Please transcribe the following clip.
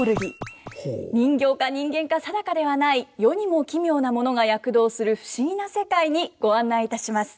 人形か人間か定かではない世にも奇妙なものが躍動する不思議な世界にご案内いたします。